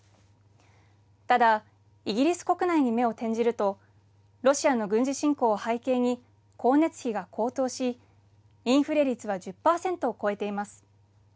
ただイギリス国内に目を転じるとロシアの軍事侵攻を背景に光熱費が高騰しインフレ率は１０％を超えています。